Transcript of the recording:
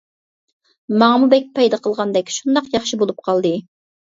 ماڭىمۇ بەك پايدا قىلغاندەك شۇنداق ياخشى بولۇپ قالدى.